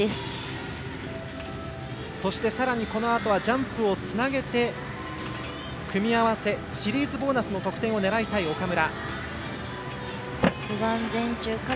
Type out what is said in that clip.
さらにジャンプをつなげて組み合わせシリーズボーナスの得点を狙いたい岡村。